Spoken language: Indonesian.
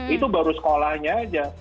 itu baru sekolahnya aja